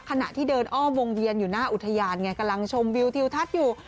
ขณะที่เดินอ้อมวงเวียนอยู่หน้าอุทยานไงกำลังชมวิวทิวทัศน์อยู่